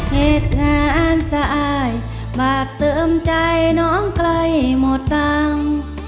เหตุงานสะอาดบาทเติมใจน้องใกล้หมดตังค์